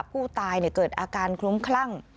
ผู้ตายเกิดอาการคลุ้มคลั่ง